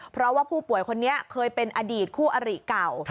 เพราะว่าผู้ป่วยคนนี้เคยเป็นอดีตคู่อริเก่า